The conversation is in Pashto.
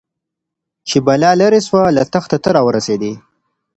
چي بلا ليري سوه له تخته ته راورسېدې